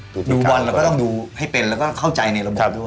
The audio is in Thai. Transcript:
ดูบอลเราก็ต้องดูให้เป็นแล้วก็เข้าใจในระบบด้วย